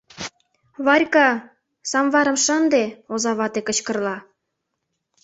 — Варька, самварым шынде! — оза вате кычкырла..